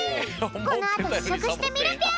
このあとししょくしてみるぴょん。